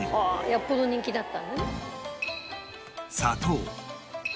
「よっぽど人気だったんだね」